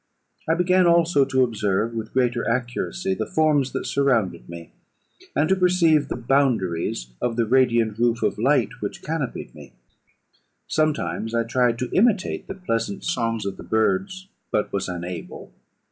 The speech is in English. I began also to observe, with greater accuracy, the forms that surrounded me, and to perceive the boundaries of the radiant roof of light which canopied me. Sometimes I tried to imitate the pleasant songs of the birds, but was unable.